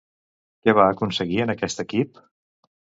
Que va aconseguir en aquest equip?